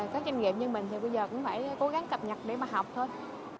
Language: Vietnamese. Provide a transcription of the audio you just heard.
các doanh nghiệp như mình thì bây giờ cũng phải cố gắng cập nhật để mà học thôi